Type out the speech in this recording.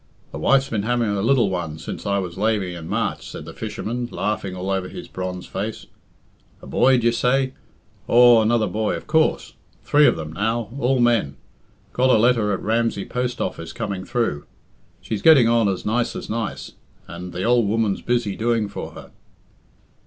"The wife's been having a lil one since I was laving in March," said the fisherman, laughing all over his bronzed face. "A boy, d'ye say? Aw, another boy, of coorse. Three of them now all men. Got a letter at Ramsey post office coming through. She's getting on as nice as nice, and the ould woman's busy doing for her."